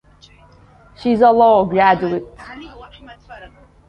She is a law graduate.